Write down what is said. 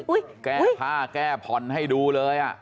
แก้ผ้าแก้ผ่อนให้ดูเลยอ่ะ